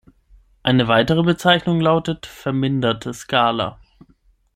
Eine weitere Bezeichnung lautet "Verminderte Skala".